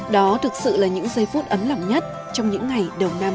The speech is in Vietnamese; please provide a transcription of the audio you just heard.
đó thực sự là những giây phút ấm lòng nhất trong những ngày đầu năm